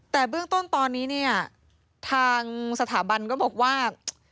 แต่เบื้องต้นตอนนี้เนี่ยทางสถาบันก็บอกว่า